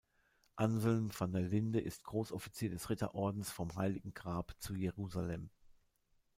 Anselm van der Linde ist Großoffizier des Ritterordens vom Heiligen Grab zu Jerusalem.